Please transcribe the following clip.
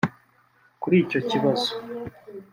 Kuri icyo kibazo